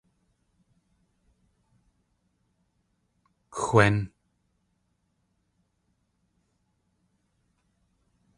Xwén!